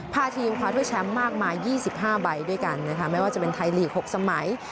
พาทีมคว้าถ้วยแชมป์มากมาย๒๕ใบด้วยกันนะคะไม่ว่าจะเป็นไทยลีก๖สมัย